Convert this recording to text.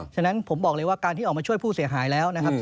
ฉะนั้นผมบอกเลยว่าการที่ออกมาช่วยผู้เสียหายแล้วนะครับ